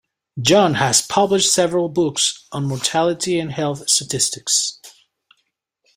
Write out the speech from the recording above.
John has published several books on mortality and health statistics.